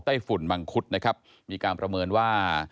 ฝุ่นมังคุดนะครับมีการประเมินว่า